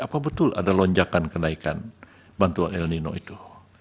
apa betul ada lonjakan kenaikan bantuan el nino itu